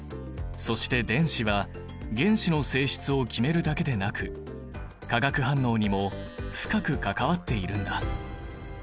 そして電子は原子の性質を決めるだけでなく化学反応にも深く関わっているんだ。